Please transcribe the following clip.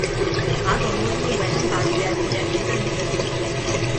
而总督亦为立法局及行政局主席。